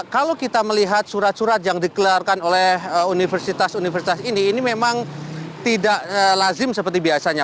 kalau kita melihat surat surat yang dikeluarkan oleh universitas universitas ini ini memang tidak lazim seperti biasanya